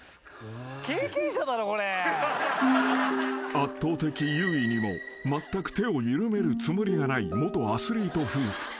［圧倒的優位にもまったく手を緩めるつもりがない元アスリート夫婦］